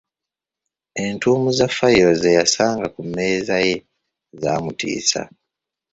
Entuumu za fayiro ze yasanga ku mmeeza ye zaamutiisa.!